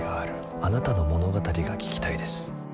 あなたの物語が聞きたいです。